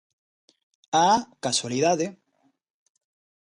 ¡Ah, casualidade!